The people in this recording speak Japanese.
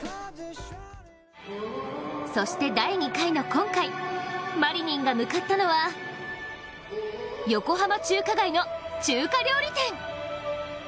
そして第２回の今回、マリニンが向かったのは横浜中華街の中華料理店。